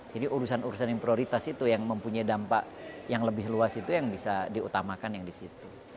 jadi urusan urusan yang prioritas itu yang mempunyai dampak yang lebih luas itu yang bisa diutamakan yang di situ